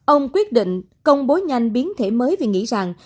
ông quyết định công bố nhanh biến thể mới vì nghĩ rằng